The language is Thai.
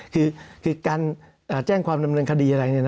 คือการแจ้งความดำเนินคดีอะไร